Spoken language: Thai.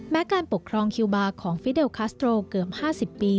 การปกครองคิวบาร์ของฟิเดลคัสโตรเกือบ๕๐ปี